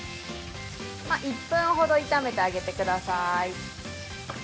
◆１分ほど炒めてあげてください。